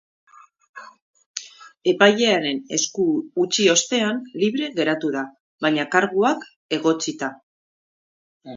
Epailearen esku utzi ostean, libre geratu da, baina karguak egotzita.